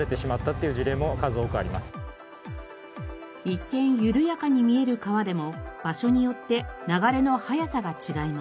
一見緩やかに見える川でも場所によって流れの速さが違います。